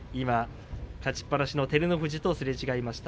勝ちっぱなしの照ノ富士とすれ違いました。